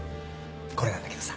これなんだけどさ